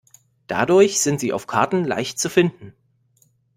Dadurch sind sie auf Karten leicht zu finden.